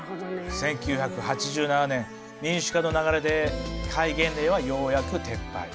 １９８７年民主化の流れで戒厳令はようやく撤廃。